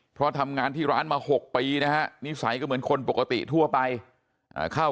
เพราะทำงานที่ร้านมา๖ปีนะฮะนิสัยก็เหมือนคนปกติทั่วไปเข้า